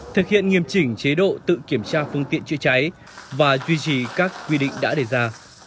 thực hiện nghiêm chỉnh chế độ tự kiểm tra phương tiện chữa cháy và duy trì các quy định đã đề ra